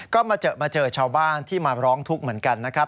ก็มาเจอชาวบ้านที่มาร้องทุกข์เหมือนกันนะครับ